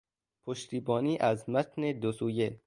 پشتیبانی از متن دوسویه